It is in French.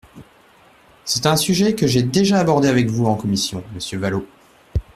C’est un sujet que j’ai déjà abordé avec vous en commission, monsieur Vallaud.